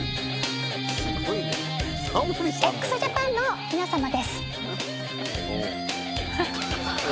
ＸＪＡＰＡＮの皆さまです。